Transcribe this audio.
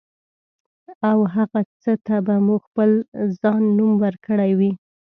او هغه څه ته به مو خپل ځان نوم ورکړی وي.